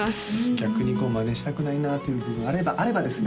逆にマネしたくないなっていう部分あればあればですよ